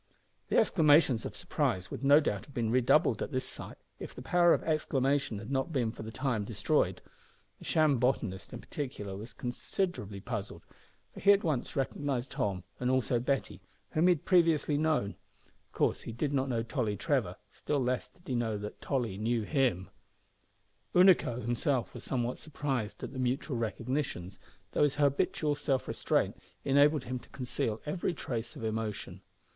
The exclamations of surprise would no doubt have been redoubled at this sight if the power of exclamation had not been for the time destroyed. The sham botanist in particular was considerably puzzled, for he at once recognised Tom and also Betty, whom he had previously known. Of course he did not know Tolly Trevor; still less did he know that Tolly knew him. Unaco himself was somewhat surprised at the mutual recognitions, though his habitual self restraint enabled him to conceal every trace of emotion.